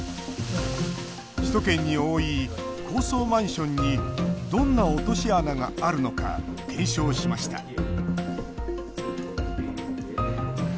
首都圏に多い高層マンションにどんな落とし穴があるのか検証しました